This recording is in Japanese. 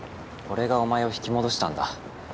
俺がお前を引き戻したんだ。